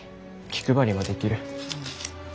気配りもできる。